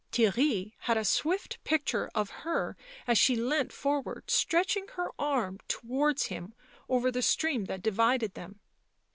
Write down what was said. Theirry had a swift picture of her as she leant forward, stretching her arm towards him over the stream that divided them.